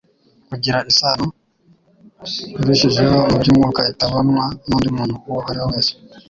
kugira isano irushijeho mu by'umwuka itabonwa n'undi muntu uwo ari we wese.